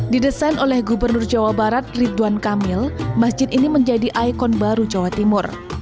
didesain oleh gubernur jawa barat ridwan kamil masjid ini menjadi ikon baru jawa timur